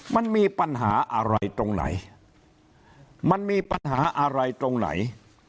มันมีปัญหาอะไรตรงไหน